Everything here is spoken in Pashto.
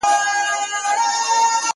زموږ اعمال د ځان سرمشق کړه تاریخ ګوره-